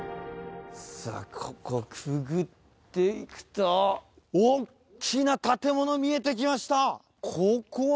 ここくぐっていくとおっきな建物見えてきました。